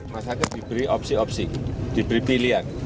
masyarakat diberi opsi opsi diberi pilihan